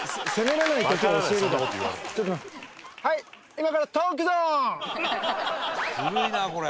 今もう「ずるいなこれ」